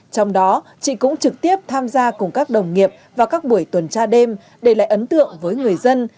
trong đó chị cũng trực tiếp tham gia cùng các đồng nghiệp vào các buổi tuần tra đêm để lại ấn tượng với người dân